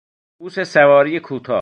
اتوبوس سواری کوتاه